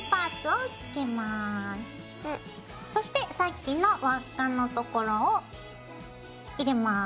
そしてさっきの輪っかの所を入れます。